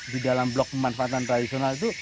di dalam blok pemanfaatan tradisional itu